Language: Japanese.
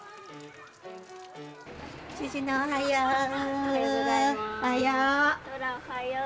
おはよう。